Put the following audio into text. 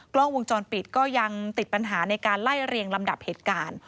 กล้องวงจรปิดก็ยังติดปัญหาในการไล่เรียงลำดับเหตุการณ์